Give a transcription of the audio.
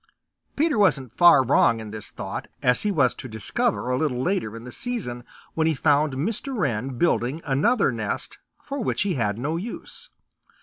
Peter wasn't far wrong in this thought, as he was to discover a little later in the season when he found Mr. Wren building another nest for which he had no use.